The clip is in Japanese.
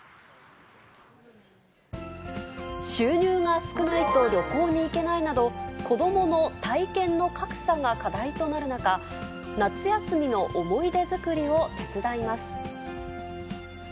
収入が少ないと旅行に行けないなど、子どもの体験の格差が課題となる中、夏休みの思い出作りを手伝います。